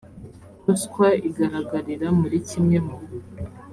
ruswa igaragarira muri kimwe mu